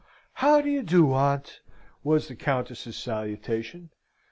"How d'ye do, aunt?" was the Countess's salutation.